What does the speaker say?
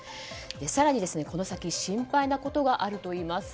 更に、この先心配なことがあるといいます。